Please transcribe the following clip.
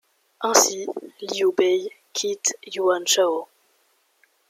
Ainsi Liu Bei quitte Yuan Shao.